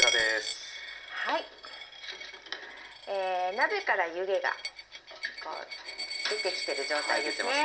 鍋から湯気がこう出てきてる状態ですね。